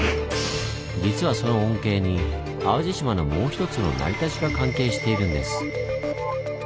実はその恩恵に淡路島のもうひとつの成り立ちが関係しているんです。